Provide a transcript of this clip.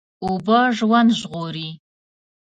اوبه ژوند ژغوري.